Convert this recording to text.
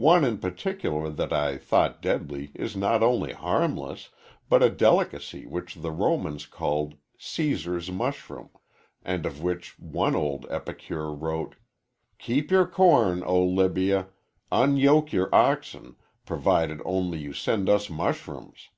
One in particular that I thought deadly is not only harmless, but a delicacy which the Romans called 'Cæsar's mushroom,' and of which one old epicure wrote, 'Keep your corn, O Libya unyoke your oxen, provided only you send us mushrooms.'"